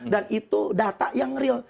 dan itu data yang real